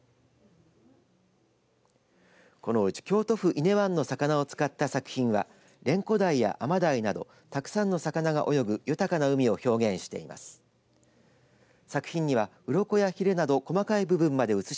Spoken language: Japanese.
このうち京都府伊根湾の魚を使った作品はレンコダイやアマダイなどたくさんの魚が泳ぐ豊かな海を表現しています。